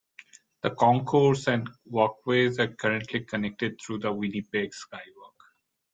The concourse and walkways are currently connected through the Winnipeg Skywalk.